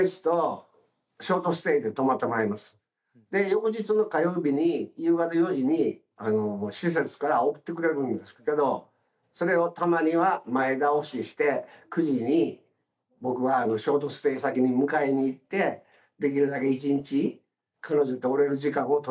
翌日の火曜日に夕方４時に施設から送ってくれるんですけどそれをたまには前倒しして９時に僕がショートステイ先に迎えに行ってできるだけ一日彼女とおれる時間を取るようにしてます。